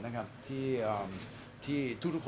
นั่นคนเดียวครับ